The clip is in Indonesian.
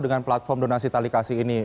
dengan platform donasi talikasi ini